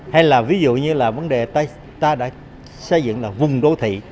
hay là ví dụ như là vấn đề ta đã xây dựng là vùng đô thị